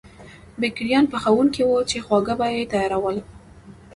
بېکریان پخوونکي وو چې خواړه به یې تیارول.